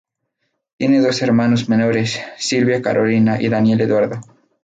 Tiene dos hermanos menores, Silvia Carolina y Daniel Eduardo.